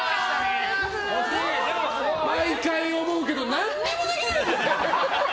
毎回思うけど何もできない！